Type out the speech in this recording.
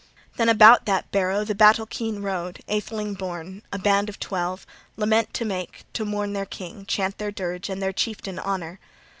Then about that barrow the battle keen rode, atheling born, a band of twelve, lament to make, to mourn their king, chant their dirge, and their chieftain honor.